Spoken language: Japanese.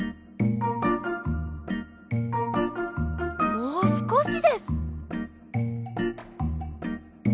もうすこしです。